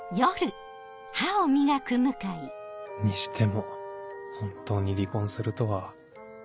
にしても本当に離婚するとは